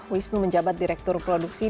wisnu menjabat direktur produksi